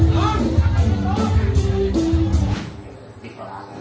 กลุ่มให้สวัสดีครับ